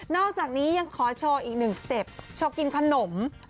อกจากนี้ยังขอโชว์อีกหนึ่งสเต็ปโชว์กินขนม